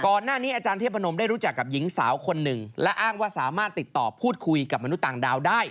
อาจารย์เทพนมได้รู้จักกับหญิงสาวคนหนึ่งและอ้างว่าสามารถติดต่อพูดคุยกับมนุษย์ต่างดาวได้